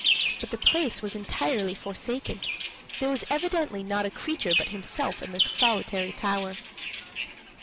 But the place was entirely forsaken there was evidently not a creature but himself in the solitary tower.